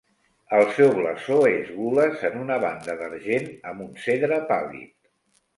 El seu blasó és "gules en una banda d'argent amb un cedre pàl·lid".